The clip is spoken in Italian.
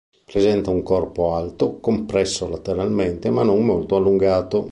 Presenta un corpo alto, compresso lateralmente ma non molto allungato.